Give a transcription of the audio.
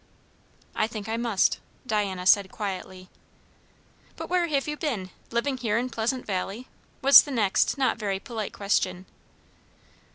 "I think I must," Diana said quietly. "But where have you been? Living here in Pleasant Valley?" was the next not very polite question.